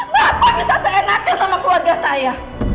bapak kok bisa seenaknya sama keluarga saya